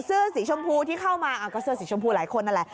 เสื้อสีชมพูที่เข้ามาก็เสื้อสีชมพูหลายคนนั่นแหละ